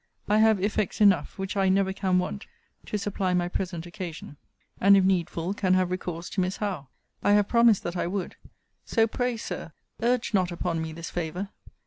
I have effects enough, which I never can want, to supply my present occasion: and, if needful, can have recourse to Miss Howe. I have promised that I would So, pray, Sir, urge not upon me this favour.